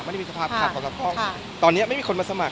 ไม่ได้มีสภาพขาดของสำคัญค่ะค่ะตอนนี้ไม่มีคนมาสมัคร